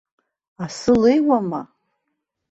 Асы леиуама?